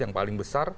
yang paling besar